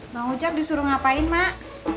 bang ucap disuruh ngapain mak